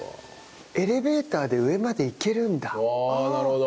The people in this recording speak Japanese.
ああなるほど。